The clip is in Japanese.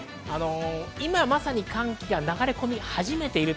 今まさに寒気が流れ込み始めています。